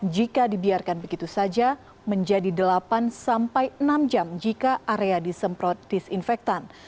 jika dibiarkan begitu saja menjadi delapan sampai enam jam jika area disemprot disinfektan